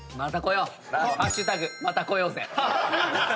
また来よう！